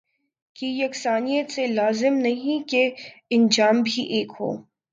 کی یکسانیت سے یہ لازم نہیں کہ انجام بھی ایک ہو